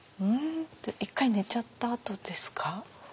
１回寝ちゃったあとですか？